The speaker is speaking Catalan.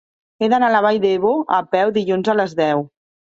He d'anar a la Vall d'Ebo a peu dilluns a les deu.